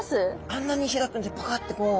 あんなに開くんですパカッとこう。